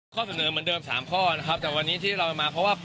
ข้อเสนอเหมือนเดิม๓ข้อนะครับแต่วันนี้ที่เรามาเพราะว่า